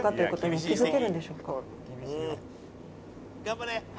頑張れ！